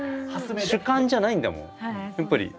主観じゃないんだもんやっぱり。